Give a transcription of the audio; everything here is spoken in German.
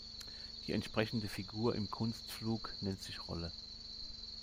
Die entsprechende Figur im Kunstflug nennt sich Rolle.